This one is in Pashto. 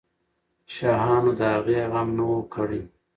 شاهانو د هغې غم نه وو کړی.